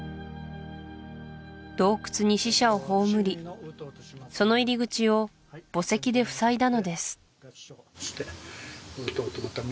洞窟に死者を葬りその入り口を墓石でふさいだのですまた